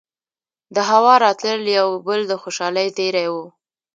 دهوا راتلل يو بل د خوشالۍ زېرے وو